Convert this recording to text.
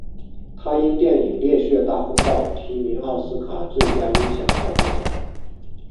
他因电影烈血大风暴提名奥斯卡最佳音响效果奖。